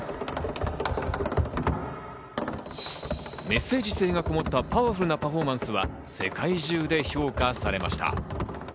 メッセージ性がこもったパワフルなパフォーマンスは世界中で評価されました。